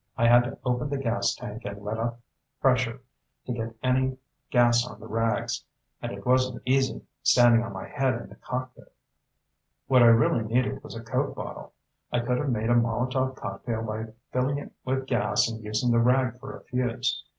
I had to open the gas tank and let out pressure to get any gas on the rags, and it wasn't easy, standing on my head in the cockpit. What I really needed was a Coke bottle. I could have made a Molotov cocktail by filling it with gas and using the rag for a fuse.